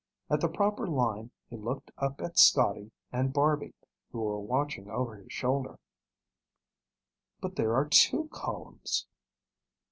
At the proper line, he looked up at Scotty and Barby who were watching over his shoulder. "But there are two columns."